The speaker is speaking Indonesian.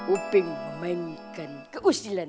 upeng memainkan keusilan